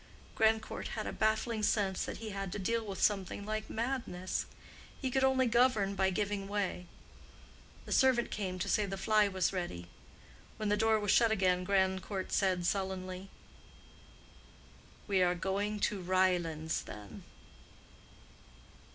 Grandcourt had a baffling sense that he had to deal with something like madness; he could only govern by giving way. The servant came to say the fly was ready. When the door was shut again Grandcourt said sullenly, "We are going to Ryelands then."